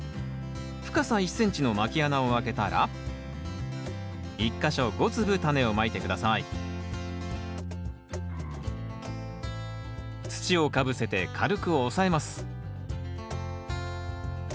深さ１ｃｍのまき穴をあけたら１か所５粒タネをまいて下さい土をかぶせて軽く押さえます